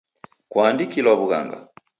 Kwaandikilwaw'ughanga?